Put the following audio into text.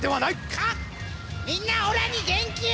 みんなオラに元気を！